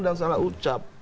dan salah ucap